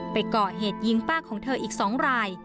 ไปก่อเหตุยิงป้าของเธออีก๒ราย